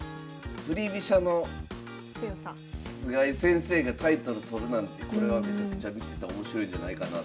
振り飛車の菅井先生がタイトル取るなんてこれは見ててめちゃくちゃ面白いんじゃないかなと。